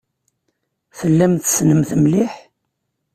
Tellam tessnem-t mliḥ?